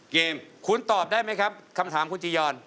เกมคุณตอบได้ไหมครับคำถามคุณจียอน